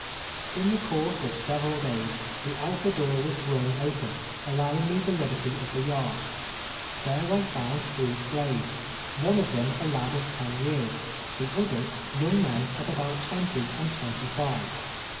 In the course of several days the outer door was thrown open, allowing me the liberty of the yard. There I f nuul three slaves' — one of them a lad often years, the others younsj men of al)out twenty and twenty live.